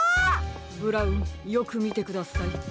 ブラウンよくみてください。